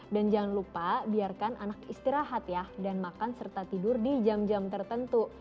dan jangan lupa biarkan anak istirahat ya dan makan serta tidur di jam jam tertentu